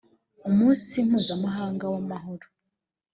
umunsi mpuzamahanga w amahoro